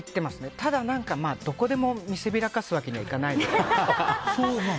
ただ、どこでも見せびらかすわけにはいかないので。